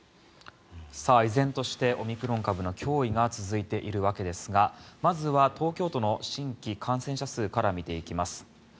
依然としてオミクロン株の脅威が続いているわけですがまずは東京都の新規感染者数から見ていきます。